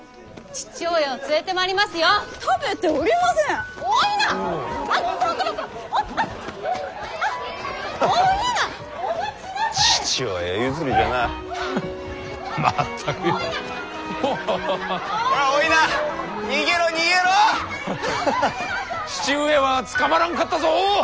父上は捕まらんかったぞ！